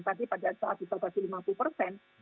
tapi pada saat diplorasi lima puluh persen